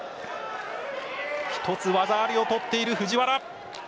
１つ技ありを取っている藤原。